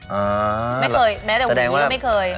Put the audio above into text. ไม่เคยแม้แต่วิวไม่เคย